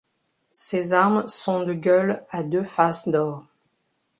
Ses armes sont de gueules à deux fasces d'or.